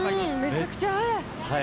めちゃくちゃ速い！